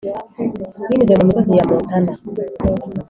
binyuze mu misozi ya montana